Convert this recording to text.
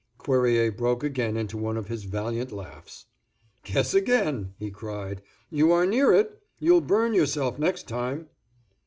Cuerrier broke again into one of his valiant laughs. "Guess again," he cried, "you are near it. You'll burn yourself next time."